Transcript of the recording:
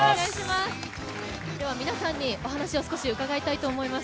皆さんにお話を少し伺いたいと思います。